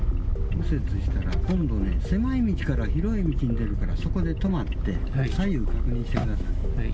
右折したら、今度ね、狭い道から広い道に出るから、そこで止まって、左右確認してください。